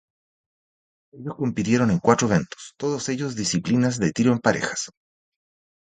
Ellos compitieron en cuatro eventos, todos ellos disciplinas de tiro en parejas.